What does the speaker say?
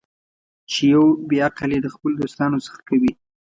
چې یو بې عقل یې د خپلو دوستانو څخه کوي.